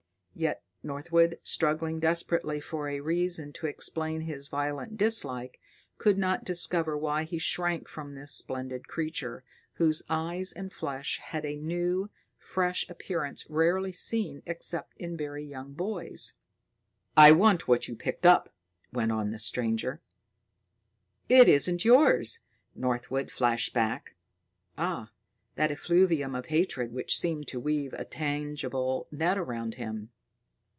Yet Northwood, struggling desperately for a reason to explain his violent dislike, could not discover why he shrank from this splendid creature, whose eyes and flesh had a new, fresh appearance rarely seen except in very young boys. "I want what you picked up," went on the stranger. "It isn't yours!" Northwood flashed back. Ah! that effluvium of hatred which seemed to weave a tangible net around him!